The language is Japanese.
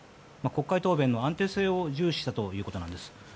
国会答弁の安定性を重視したということなんです。